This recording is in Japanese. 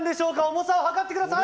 重さを量ってください！